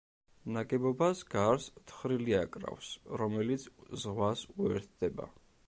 ნაგებობას გარს თხრილი აკრავს, რომელიც ზღვას უერთდება.